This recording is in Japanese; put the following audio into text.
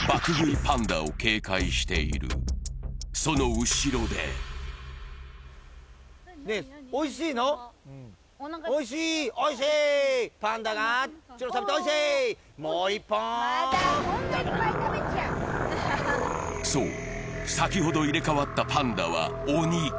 パンダを警戒している、その後ろでそう、先ほど入れ代わったパンダは鬼。